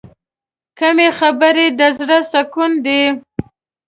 کمې خبرې، د زړه سکون دی.